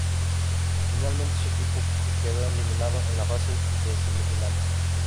Finalmente su equipo quedó eliminado en la fase de semifinales.